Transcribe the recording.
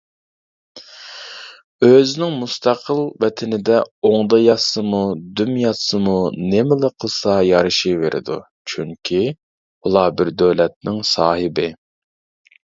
ئۆزىنىڭ مۇستەقىل ۋەتىنىدە ئوڭدا ياتسىمۇ، دۈم ياتسىمۇ، نېمىلا قىلسا يارىشىۋېرىدۇ چۈنكى ئۇلار بىر دۆلەتنىڭ ساھىبى.